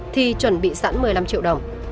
thì chuẩn bị sẵn một mươi năm triệu đồng